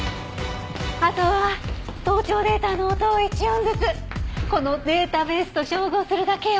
あとは盗聴データの音を１音ずつこのデータベースと照合するだけよ。